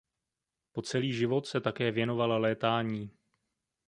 Po celý život se také věnoval létání.